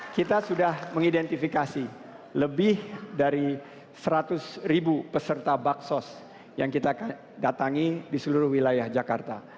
kita sudah mengidentifikasi lebih dari seratus ribu peserta baksos yang kita datangi di seluruh wilayah jakarta